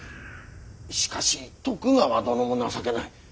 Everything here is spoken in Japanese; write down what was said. しかし徳川殿も情けない。